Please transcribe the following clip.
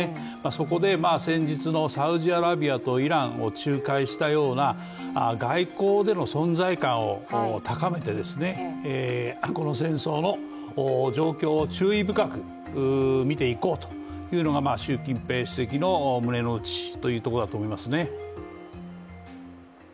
そこで先日のサウジアラビアとイランを仲介したような外交での存在感を高めて、この戦争の状況を注意深く見ていこうというのが習近平主席の胸の内ということだと思いますね。